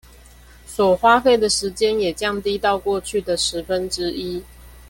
所花費的時間也降低到過去的十分之一